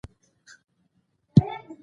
حشمتي په همدې خوږو خيالونو کې ډوب تللی و.